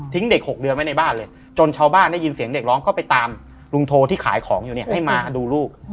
เด็ก๖เดือนไว้ในบ้านเลยจนชาวบ้านได้ยินเสียงเด็กร้องก็ไปตามลุงโทที่ขายของอยู่เนี่ยให้มาดูลูก